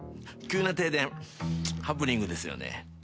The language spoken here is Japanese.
急な停電ハプニングですよね。